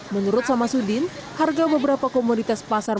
menurut sama sudin harga beberapa komoditas pasar